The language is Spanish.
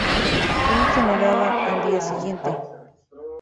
Fue incinerada al día siguiente.